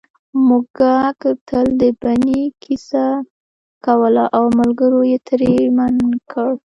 موږک تل د بنۍ کیسه کوله او ملګرو یې ترې منع کړ